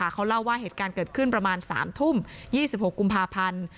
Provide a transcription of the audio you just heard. เขาเล่าว่าเหตุการณ์เกิดขึ้นประมาณ๓ทุ่ม๒๖กุมภาพันธ์